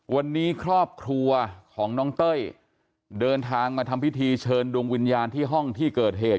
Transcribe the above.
วันนี้ครอบครัวของน้องเต้ยเดินทางมาทำพิธีเชิญดวงวิญญาณที่ห้องที่เกิดเหตุ